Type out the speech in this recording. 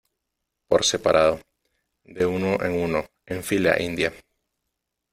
por separado . de uno en uno , en fila india .